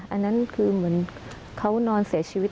อันนั้นคือเขานอนเสียชีวิต